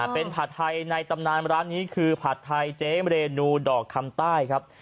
เป็นผัดไทยในตำนานร้านนี้คือผัดไทยเจ๊มเรนูดอกคำใต้ครับ